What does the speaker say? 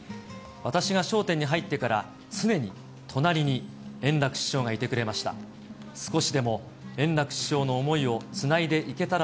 私が笑点に入ってから、常に隣に円楽師匠がいてくれました。